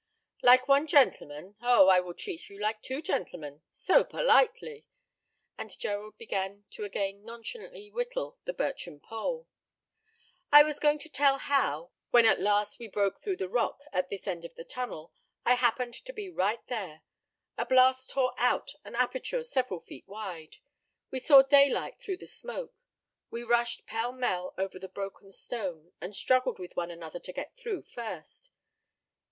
"Like one gentleman? Oh, I will treat you like two gentlemen so politely;" and Gerald began to again nonchalantly whittle the birchen pole. "I was going to tell how, when at last we broke through the rock at this end of the tunnel, I happened to be right there. A blast tore out an aperture several feet wide. We saw daylight through the smoke. We rushed pell mell over the broken stone, and struggled with one another to get through first.